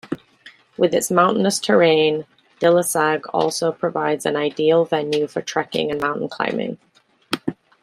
With its mountainous terrain, Dilasag also provides an ideal venue for trekking and mountain-climbing.